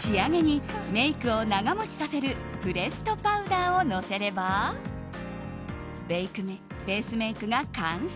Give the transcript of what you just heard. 仕上げにメイクを長持ちさせるプレストパウダーをのせればベースメイクが完成。